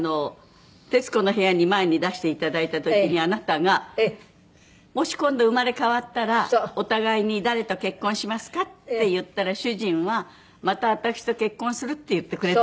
『徹子の部屋』に前に出していただいた時にあなたが「もし今度生まれ変わったらお互いに誰と結婚しますか？」って言ったら主人は「また私と結婚する」って言ってくれたんです。